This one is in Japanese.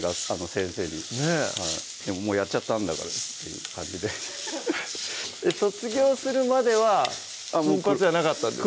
先生にねぇでももうやっちゃったんだからっていう感じで卒業するまでは金髪じゃなかったんですか？